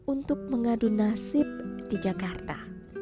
untuk mengadu nasib di jakarta